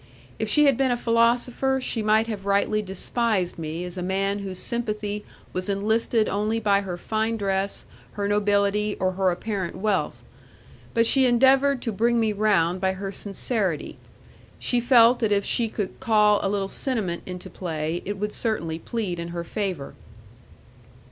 If she had been a philosopher she might have rightly despised me as a man whose sympathy was enlisted only by her fine dress, her nobility, or her apparent wealth; but she endeavoured to bring me round by her sincerity. She felt that if she could call a little sentiment into play, it would certainly plead in her favour.